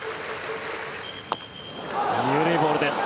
緩いボールです。